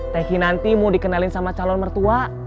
techi nanti mau dikenalin sama calon mertua